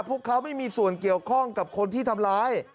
พวกเขาไม่มีส่วนเกี่ยวข้องกับคนที่ทำร้าย